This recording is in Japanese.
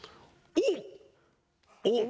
おっ‼